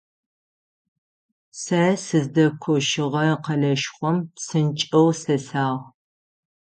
Сэ сыздэкощыгъэ къэлэшхом псынкӀэу сесагъ.